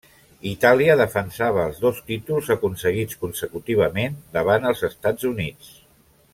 Itàlia defensava els dos títols aconseguits consecutivament davant els Estats Units.